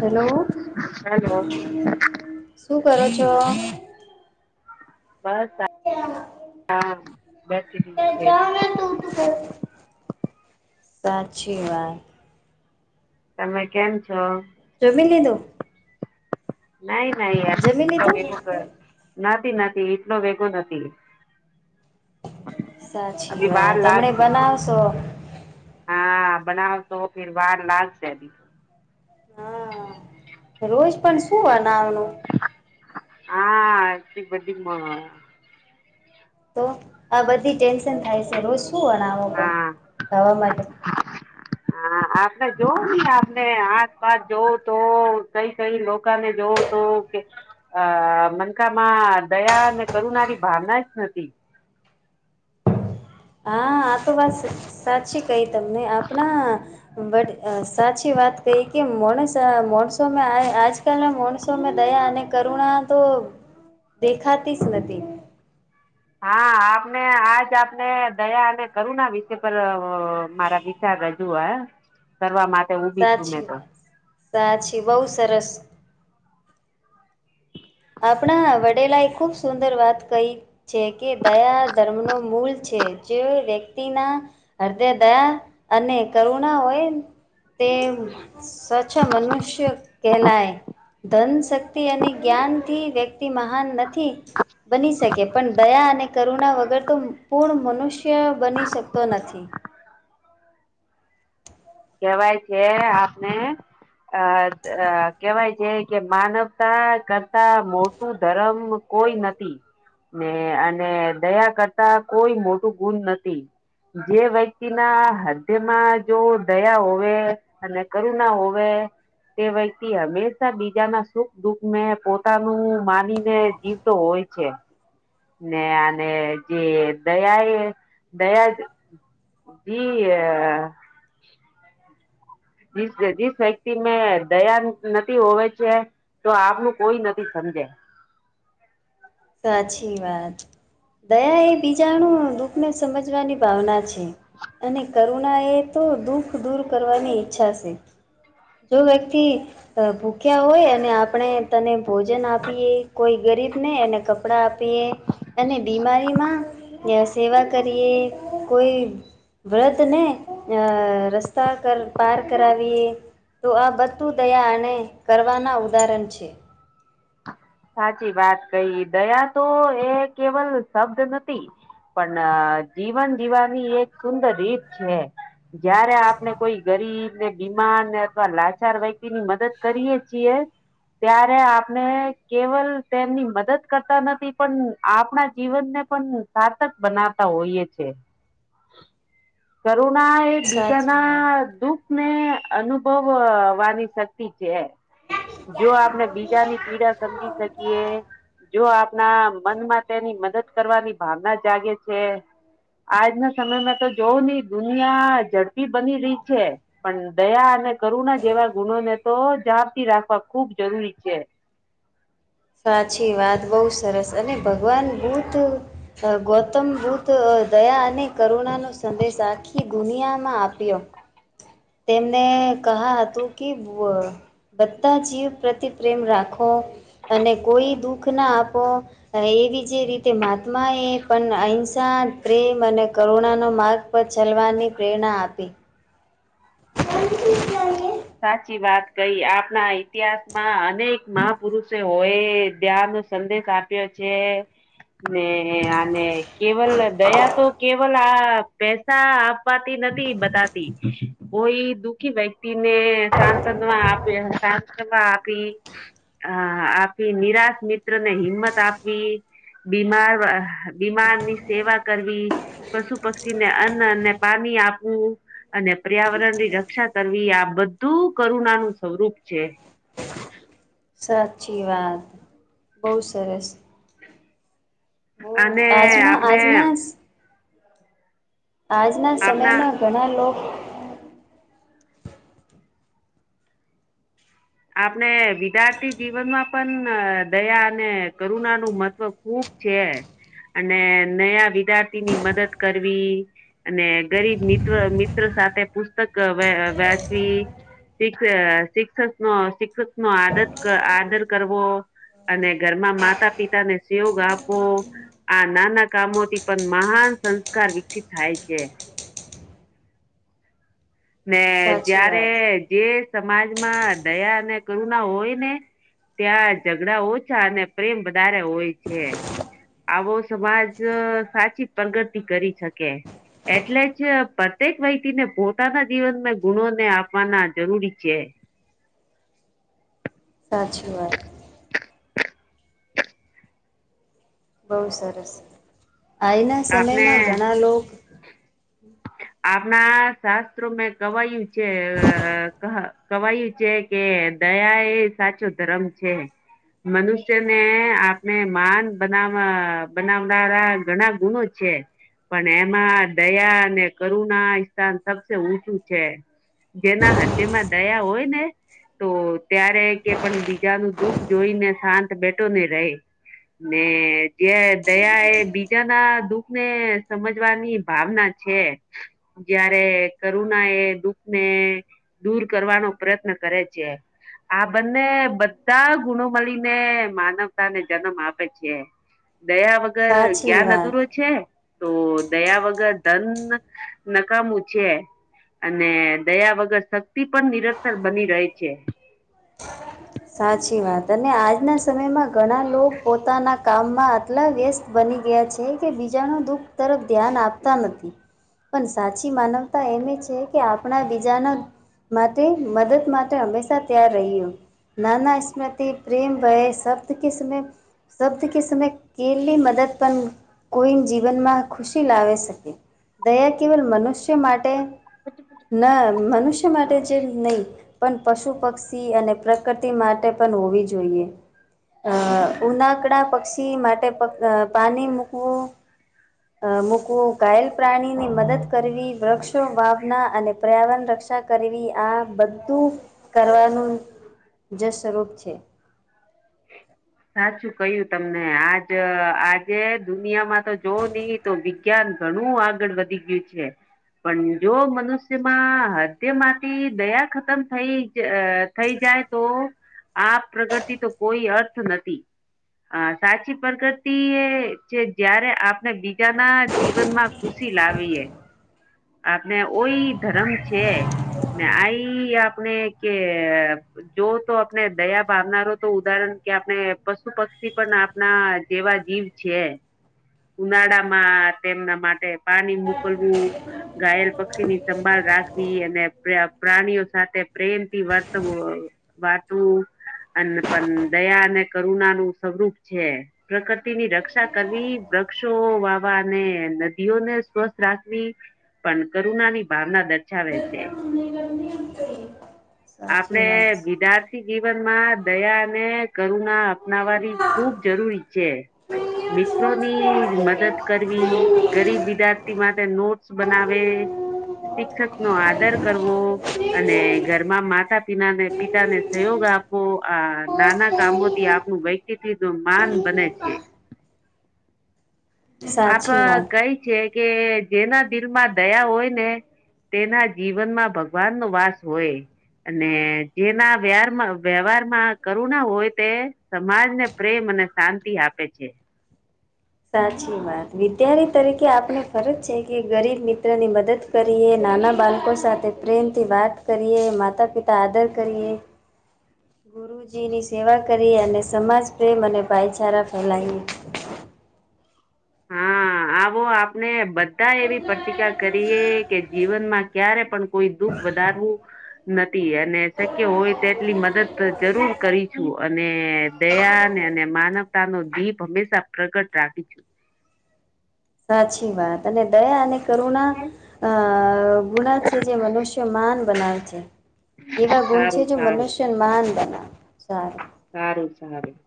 Hello. Hello શું કરો છો? બસ હા બેસી છેમ. સાચી વાત. તમે કેમ છો? જમીલીધું? નહી નાઈ જમી લીધું યારટલોેગો [unintelligible] નથી નથી એટલો ભેગો નથી. સાચી અભી વા વાર તમને લાગશે બનાવશો. હા બનાવ તો ફર વાર લાગશે દ. હા રોજ પણ શું બનાવનું. હા એ બધી. તો આ બધી ટેન્શન થાય શે રોજ શું બનાવો તમ હા ખાવા માટે? [inaudible] હા, આપને જોઉને આપને આસપાસ જોઉ તો કઈ કઈ લો કાને જોઉ તો કે અ મનકામાં દયા અને કરુણાની ભાવના જ નથી. હા, આ તો વાત સે. સાચી કઈ તમને આપના, વડ અ સાચી વાત કઈ કે મોણસ તા મોણસોમાં આય આજકાલના મોણસોમાં દયા અને કરુણા તો દેખાતીશ નતી. હા, આપને આજ આપને દયા અને કરુણા વિ ષય પર મારા વિચાર રજુઆ કરવા માટે ઉભી છું, મેં સાચી તો. વાત સાચી, બઉ સરસ આપણા વડેલા એ ખુબ સુંદર વાત કઈ છે કે દયા ધર્મનો મૂલ છે, જે વ્યક્તિના હદે દયા અને કરુણા હોય તે સ્વચ્છ મનુષ્ય કેલાય, ધન, શક્તિ અને જ્ઞાન વ્યક્તિ મહાન નથી બની શકે. પણ દયા અને કરુણા વગર તો પૂ પૂર્ણ મનુષ્ય બની શકતો નથી. કેવાય છે, આપને અ અ કેહેવાય છે કે માનવતા કરતા મોટું ધરમ કોઈ નથી, ને અને દયા કરતા કોઈ મોટું ગુણ નથી. જે વ્યક્તિના હૃદ્યમાં જો દયા હોવે અને કરુણા હોવે તે વ્યક્તિ હંમેશા બીજાના સુખ-દુઃખને પોતાનું માનીને જીવ તો હોય છે. ને અને જે દયા એ દયા હીએ જીસ વ્ય જીસ વ્યક્તિ મે દયા નથી હોવે છે તો આપનું કોઈ નથી સમજે. સાચી વાત. દયા એ બીજાણું દુઃખને સમજવાની ભાવના છે. અને કરુણાએ તો દુઃખ દૂર કરવાની ઈચ્છા છે. જો વ્યક્તિ ભૂખ્યા હોય અને આપણે તને ભોજન આપીએ કોઈ ગરીબને એને કપડાં આપીએ અને બીમારીમાં સેવા કરીએ, કોઈ વ્રધને અ રસ્તા કર પાર કરાવીએ તો આ બધુ દયા અને કરવાના ઉદાહરણ છે. સાચી વાત કઈ, દયા તો એ કેવલ શબ્દ નથી પણ જીવન જીવાની એક સુંદર રીત છે. જયારે આપને કોઈ ગરીબ ને બીમારને અથવા લાચાર વ્યતિની મદદ કરીએ છીએ ત્યારે આપને કેવલ તેમની મદદ કરતા નથી, પણ આપણા જીવનને પણ સારતક બનાવતા હોઈએ છે. [inaudible] કરુણા એ સાચી વાત બીજાના દુઃખ ને અનુભવવાની શક્તિ છે. જો આપણે બીજાની પીડા સમજી શકીએ, જો આપણા મનમાં તેની મદદ કરવાની ભાવના જાગે છે. આજના સમયમાં તો જોવ હી દુનિયા ઝડપી બની રહી છે. પણ દયા અને કરુણા જેવા ગુણો ને તો જાપથી રાખવા ખુબ જરૂરી છે. સાચી વાત બહુ સરસ અને ભગવાન, ભૂત ગૌતમ બુદ્ધ દયા અને નો સંદેશ આખી દુનિયામાં આપ્યો. તેમને કહા હતું કે બધા જીવ પ્રતિ પ્રેમ રાખો. અને કોઈ શાન પ્રેમ અને કરુણાનો માર્ગ પર ચલવાની પ્રેરણા આપી. [inaudible] સાચી વાત કઈ આપણા ઇતિહાસ માં અનેક મહાપુરુષો હોય ધ્યાન સંદેશ આપ્યો છે ને અને કેવલ દયા તો કે આ પેસા આપવાતી નથી બતાતી કોઈ દુઃખી વ્યક્તિ ને સાંત્વમાં આપે સાંતવમાં આપી. હ આપી નિરાશ મિત્ર ને બીમાર બીમાર ની સેવા કરવી. પશુ પક્ષીને અન્ન અને પાણી આપવું. અને પર્યાવરણ ની રક્ષા કરવી આ બધું કરુણાનું સ્વરૂપ છે. સાચી વાત બહુ સરસ. અને આજમાં આપણે આજના આજના આપણા સમયમાં ઘણા લોકો આપણે વિદ્યાર્થી જીવનમાં પણ દયા અને કરુણા નું મહત્વ ખુબ છે અને નયા વિદ્યાર્થીની મદદ કરવી અને ગરીબ મિત્ર મિત્ર સાથે પુસ્તક વાંચવી સીષ શિક્ષક નો શિક્ષક નો આદર આદર કરવો અને ઘરમાં માતા પિતાને સયોગ આપવો. આ નાના કામોથી પણ મહાન સંસ્કાર વિકસિત થાય છે. ને સાચી જયારે વાત જે સમાજમાં દયા અને કરુણા હોય ને ત્યાં ઝઘડા ઓછા અને પ્રેમ વધારે હોય છે. આવો સમાજ સાચી પ્રગતિ કરી શકે. એટલે જ પ્રત્યેક વ્યક્તિને ભોટ પોતાના જીવન માં ગુણો ને આપવાના જરૂરી છે. સાચી વાત. બહુ સરસ આજના આપણે સમયમાં ઘણા લોકો આપણા શાસ્ત્રોં કવાયું છે કવાયું છે. કે દયા એ સાચો ધર્મ છે. મનુષ્યને આપણે માન બના બનાવનારા ઘણા ગુણો છે પણ એમાં દયા અને કરુણા સ્થાન સબસે ઊંચું છે. જેના હાદ્યમાં દયા હોય ને તો ત્યારે કે પણ બીજા ન દુઃખ જોઈને શાંત બેઠો નને ર ને જે દયા એ બીજા ના દુઃખ ને સમજવાની ભાવના છે. છે જયારે કરુણા એ દુઃખ ને દૂર કરવાનો પ્રયત્ન કરે છે. આ બંને બધા ગુણો મળીને માનવતા ને જન્મ આપે છે. દયા વગર સાચી જ્ઞાન વાત અધૂરો છે તો દયા વગર ધન નકામું છે અને દયા વગર શક્તિ પણ નિરંતર બની રહે છે. સાચી વાત અને આજના સમયમાં ઘણા લોકો પોતાના કામમાં આટલા વ્ય તરફ ધ્યાન આપતા નથી. પણ સાચી માનવતા એમ છે કે આપણા બીજાના માટે મદદ માટે હંમેશા ત્યાાર રહ્યું નાાના સ્મૃતિ પ્રેમ ભય શબ્દ કે સમય શબ્દ કે સમય કેલી મદદ પણન કોઈ જીવનમાં ખુશી લાવે શકે દયા કેવલ મનુષ્ય માટે ન મનુષ્ય માટે જે નહી પણ પશુ પક્ષી અને પ્રકૃતિ માટે પણ હોવી જોઈએ. અ ઉનાકડા પક્ષી માટે પાણી મૂકવું. અ મૂકવું ઘાયલ પ્રાણી ની મદદ કરવી વૃક્ષો વાવના અને પર્યાવરણ રક્ષા. કરવી આ બધું કરવાનું જસરૂપ છે. સાચું કું તમને આજ આજે દુનિયામાં તો જોવ નહી. તો વિજ્ઞાન ઘણું આગળ વધી ગયું છે. પણ જો મનુષ્યમાં હદ્યમાંથી દયા ખતમ થઈ અ. થઈ જાય તો આ પ્રગતિ તો કોઈ અર્થ નથી. હ સાચી પ્રગતિ એ છે જયારે આપણે બીજાના. જીવન માં ખુશી લાવીએ. આપણે ઓઈ ધર્મ છે ને આઈ આપણે કે. જો તો આપણે દયા ભાવનારો તો ઉદાહરણ કે આપણે પશુ પક્ષી પણ આપના જેવા જીવ. છે ઉનાળા માં તેમના માટે પાણી મોકલવું. ઘાયલ પક્ષી ની સંભાળ રાખવી અને પ્રાણીઓ સાથે પ્રેમ થી વર્તવ વાતું અને પણ દયા અને કરુણા નું સ્વરૂપ છે. પ્રકૃતિની રક્ષા કરવી વૃક્ષો વાવા અને નદીઓને સ્વસ્થ રાખવી. પણ કરુણા ની ભાવના દર્શાવે છે. [unintelligible] આપણે સાચી વાત વિદ્યાર્થી જીવનમાં દયા અને કરુણા. પનાવાની ખૂબ જરૂરી છે મિત્રોની મદદ છે કરી ગરીબ વિદાર્થી માટે નોટ્સ બનાવે. શિક્ષક નો આદર કરવો અને ઘર. એ માતા પિના ને પિતા ને સહયોગ આપવો આ નાના કામો થી આપનું વ સ્ન માન બને છે. આપ સાચી વાત. કઈ છે કે જેના દિલમાં દયા હોય ને. તેના જીવનમાં ભગવાન નો વાસ હોય. અને જેના વ્યાર વ્યવહાર માં કરું ના હોય તે સમાજને. પ્રેમ અને શાંતિ આપે છે. સાચી વાત વિદ્યાર્થી તરીકે આપને ફરજ છે કે ગરીબ મિત્ર ની મદદ. કરીએ નાના બાળકો સાથે પ્રેમથી વાત કરીએ માતા પિતા આદર કરીએ [inaudible] ગુરુજીની સેવા કરી અને સમાજપ્રેેમ અને ભાઈચારા ફેલાવી. હા આવો આપને બધા એવી પ્રતિકા કરીએ કે જીવનમાં ક્યારે પણ કોઈ દુઃખ વધારવું. નથી અને શક્ય હોય તેટલી મદદ જરૂર કરીશું અને. દયા ને અને માનવતા નો જીભ હંમેશા પ્રગટ રાખી છું. સાચી વાત અને દયા અને કરુણા ગુણા છે. જે મનુષ્ય માન એવા ગુણ છે સારું જે સારું મનુષ્ય મહાન બનાવે સારું સારું સારું